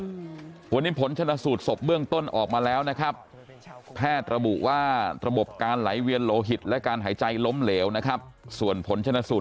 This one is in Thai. อืมวันนี้ผลชนะสูตรศพเบื้องต้นออกมาแล้วนะครับแพทย์ระบุว่าระบบการไหลเวียนโลหิตและการหายใจล้มเหลวนะครับส่วนผลชนะสูตร